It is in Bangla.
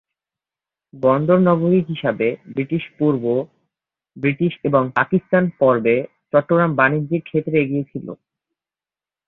বন্দর নগরী হিসাবে ব্রিটিশ-পূর্ব, ব্রিটিশ এবং পাকিস্তান পর্বে চট্টগ্রাম বাণিজ্যিক ক্ষেত্রে এগিয়ে ছিল।